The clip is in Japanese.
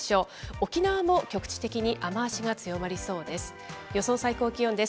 沖縄も局地的に雨足が強まりそうです。